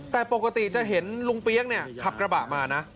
แต่ปกติจะเห็นลุงเปี๊ยกเนี่ยขับกระบะมานะ